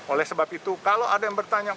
oleh sebab itu kalau ada yang bertanya